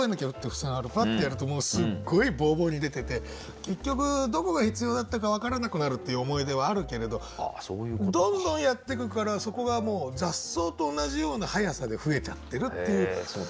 パッてやるともうすっごいボーボーに出てて結局どこが必要だったか分からなくなるっていう思い出はあるけれどどんどんやってくからそこがもう雑草と同じような速さで増えちゃってるっていう。